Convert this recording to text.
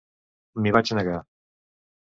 M'hi vaig negar.